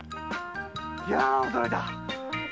いやぁ驚いた。